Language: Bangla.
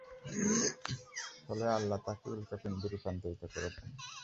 ফলে আল্লাহ তাকে উল্কাপিণ্ডে রূপান্তরিত করে দেন।